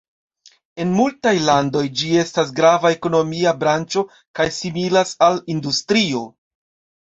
En multaj landoj ĝi estas grava ekonomia branĉo kaj similas al industrio.